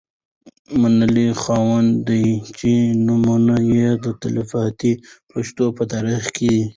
منلي خاوندان دي. چې نومونه یې د تلپا تي پښتو په تاریخ کي